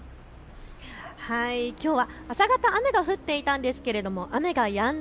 きょうは朝方、雨が降っていたんですけれども雨がやんだ